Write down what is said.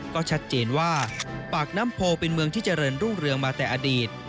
ก็ชัดเจนว่าปากน้ำโพเป็นเมืองที่เจริญรุ่งเรืองมาแต่อดีต